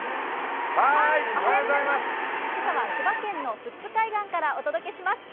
今朝は千葉県の富津海岸からお届けします。